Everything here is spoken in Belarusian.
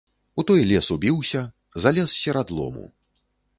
У той лес убіўся, залез серад лому.